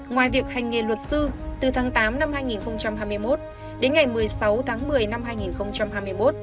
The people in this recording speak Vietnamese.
ngoài việc hành nghề luật sư từ tháng tám năm hai nghìn hai mươi một đến ngày một mươi sáu tháng một mươi năm hai nghìn hai mươi một